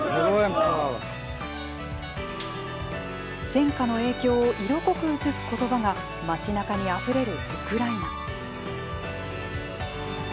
戦禍の影響を色濃く映す言葉が街なかにあふれるウクライナ。